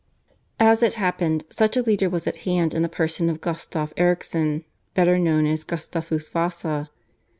As it happened, such a leader was at hand in the person of Gustaf Eriksson, better known as Gustavus Vasa.